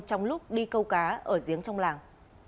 trong lúc đi câu cá ở giếng trong làng